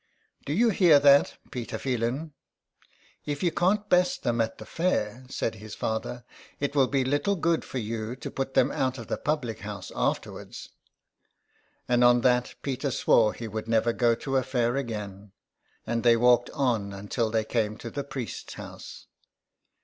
'' Do you hear that, Peter Phelan ?''" If you can't best them at the fair," said his father* *' it will be little good for you to put them out of the public house afterwards.*' And on that Peter swore he would never go to a fair again, and they walked on until they came to the priest's house.